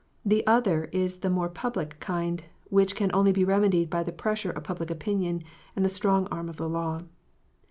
The other is that more public kind, which can only be remedied by the pressure of public opinion, and the strong arm of the law.